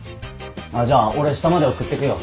あっじゃあ俺下まで送ってくよ。